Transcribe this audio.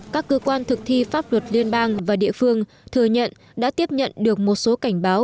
các cơ quan thực thi pháp luật liên bang và địa phương thừa nhận đã tiếp nhận được một số cảnh báo